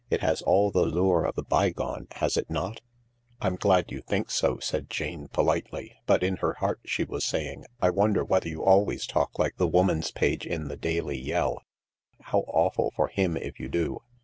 It has all the lure of the bygone, has it not }"" I'm glad you think so," said Jane politely, but in her heart she was saying, " I wonder whether you always talk like the Woman's Page in the Daily YeU. How awful for him if you do."